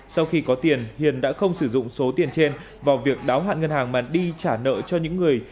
sau khi có tiền hiền đã không sử dụng số tiền trên vào việc đáo hạn ngân hàng mà đi trả nợ cho những người